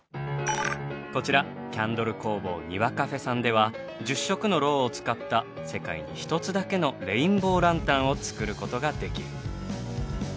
こちらキャンドル工房庭カフェさんでは１０色のろうを使った世界に一つだけのレインボーランタンを作る事ができる。